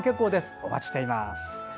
お待ちしています。